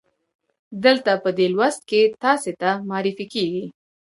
دلته په دې لوست کې تاسې ته معرفي کیږي.